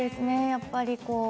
やっぱり。